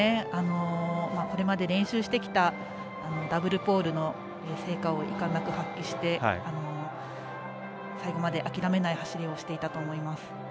これまで練習してきたダブルポールの成果をいかんなく発揮して最後まで諦めない走りをしていたと思います。